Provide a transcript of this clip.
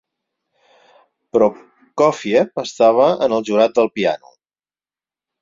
Prokófiev estava en el jurat del piano.